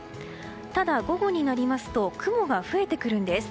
ただ、午後になりますと雲が増えてくるんです。